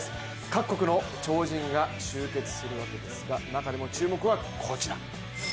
各国の超人が集結するわけですが、中でも注目はこちら。